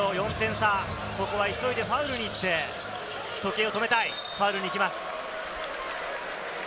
さぁ、ここは急いでファウルに行って、時計を止めたい、ファウルに行きます。